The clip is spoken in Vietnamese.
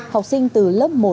học sinh từ lớp một